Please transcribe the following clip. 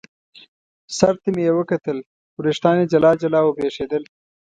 سر ته مې یې وکتل، وریښتان یې جلا جلا او برېښېدل.